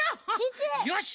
よし！